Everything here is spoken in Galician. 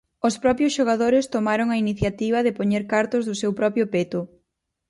Os propios xogadores tomaron a iniciativa de poñer cartos do seu propio peto.